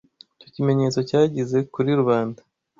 icyo kimenyetso cyagize kuri rubanda